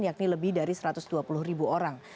yakni lebih dari satu ratus dua puluh ribu orang